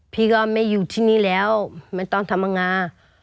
พี่ก็ไม่อยู่ที่นี่แล้วไม่ต้องทำงาน